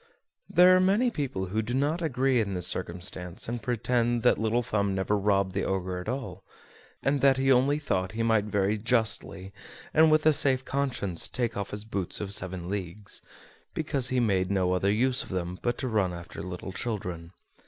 There are many people who do not agree in this circumstance, and pretend that Little Thumb never robbed the Ogre at all, and that he only thought he might very justly, and with a safe conscience, take off his boots of seven leagues, because he made no other use of them but to run after little children.